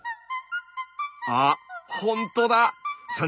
あほんとだ！